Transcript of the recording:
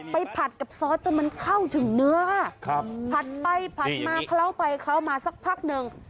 ผัดกับซอสจนมันเข้าถึงเนื้อค่ะครับผัดไปผัดมาเคล้าไปเคล้ามาสักพักหนึ่ง